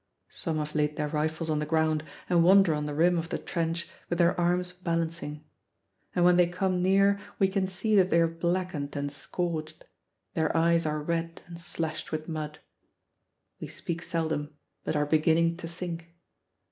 Some have laid their rifles on the ground and wander on the rim of the trench with their arms balancing; and when they come near we can see that they are blackened and scorched, their eyes are red and slashed with mud. We speak seldom, but are beginning to think.